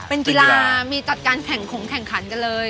เป็นกีฬามีจัดการแข่งขงแข่งขันกันเลย